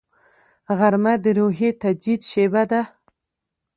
غرمه د روحي تجدید شیبه ده